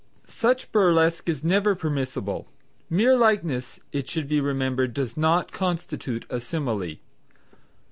Such burlesque is never permissible. Mere likeness, it should be remembered, does not constitute a simile.